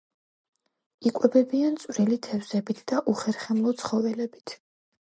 იკვებებიან წვრილი თევზებით და უხერხემლო ცხოველებით.